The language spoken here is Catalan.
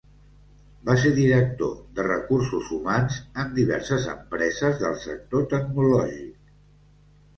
Va ser director de recursos humans en diverses empreses del sector tecnològic.